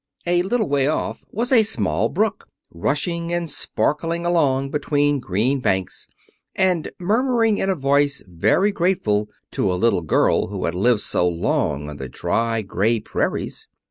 A little way off was a small brook, rushing and sparkling along between green banks, and murmuring in a voice very grateful to a little girl who had lived so long on the dry, gray prairies.